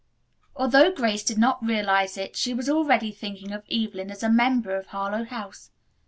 Although Grace did not realize it she was already thinking of Evelyn Ward as a member of Harlowe House.